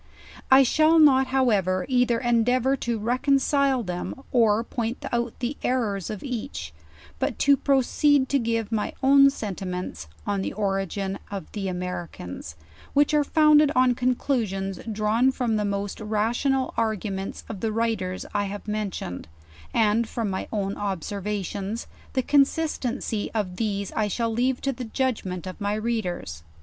I shall not however, either endeavor to reconcile them or point out the errors of each, but to proceed to give my own sentiments on the orig in of the Americans; which are founded on conclusions drawn from the most rational arguments of the writers I have men tioned, and from rny own observations; the consistency of these I shall leave to the judgement of my readers.